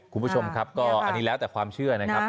คุณผู้ชมครับก็อันนี้แล้วแต่ความเชื่อนะครับ